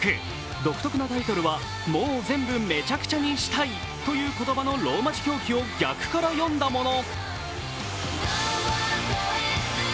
独特なタイトルは、「もう全部めちゃくちゃにしたい」という言葉のローマ字表記を逆から読んだもの。